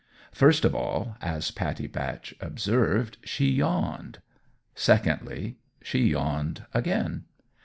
First of all, as Pattie Batch observed, she yawned; secondly, she yawned again.